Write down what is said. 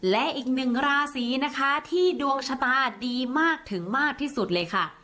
และอีกหนึ่งราศีนะคะที่ดวงชะตาดีมากถึงมากที่สุดเลยค่ะ